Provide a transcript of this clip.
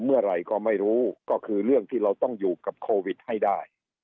เมื่อไหร่ก็ไม่รู้ก็คือเรื่องที่เราต้องอยู่กับโควิดให้ได้